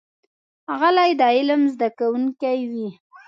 غلی، د علم زده کوونکی وي.